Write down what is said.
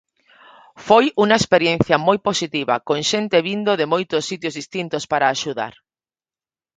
Foi unha experiencia moi positiva, con xente vindo de moitos sitios distintos para axudar.